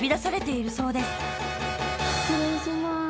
失礼しまーす。